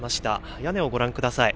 屋根をご覧ください。